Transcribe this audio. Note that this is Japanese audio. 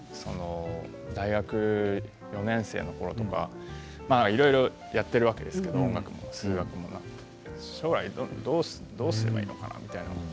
大学４年生のころとかいろいろやっているわけですけど音楽も数学も将来どうすればいいのかなみたいな。